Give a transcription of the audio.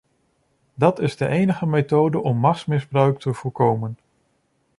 Dat is de enige methode om machtsmisbruik te voorkomen.